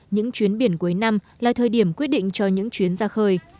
những chuyến biển cuối năm là thời điểm quyết định cho những chuyến ra khơi